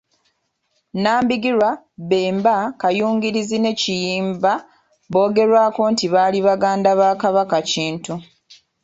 Nambigirwa, Bemba, Kayungirizi ne Kiyimba boogerwako nti baali baganda ba Kabaka Kintu.